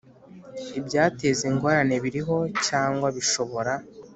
Ibyateza ingorane biriho cyangwa bishobora